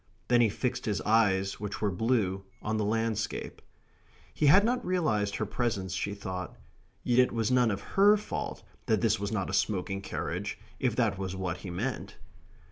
then he fixed his eyes which were blue on the landscape. He had not realized her presence, she thought. Yet it was none of HER fault that this was not a smoking carriage if that was what he meant.